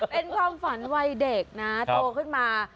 เป็นความฝันวัยเด็กนะโตขึ้นมา